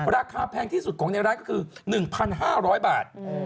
ราคาแพงที่สุดของในรักคือ๑๕๐๐บาท